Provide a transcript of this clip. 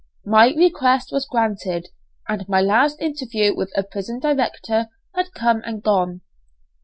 My request was granted, and my last interview with a prison director had come and gone.